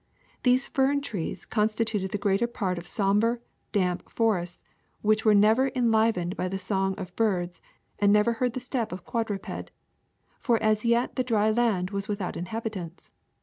These fern trees constituted the greater part of somber, damp forests which were never enlivened by the song of birds and never heard the step of quadruped ; for as yet the dry land was without inhabitants.